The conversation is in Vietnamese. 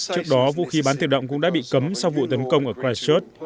trước đó vũ khí bán tự động cũng đã bị cấm sau vụ tấn công ở christchurch